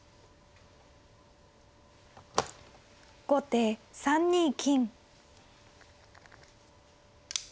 後手３二金。